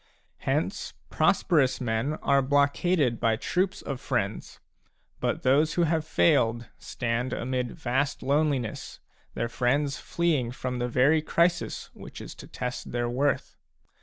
Hence prosperous men are blockaded by troops of friends ; but those who have failed stand amid vast loneliness, their friends fleeing from the very crisis which is to test their worth.